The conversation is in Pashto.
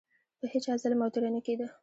په هیچا ظلم او تیری نه کېده.